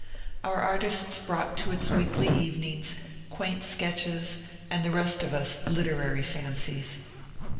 Our artists brought to its weekly evenings quaint sketches and the rest of us literary fancies.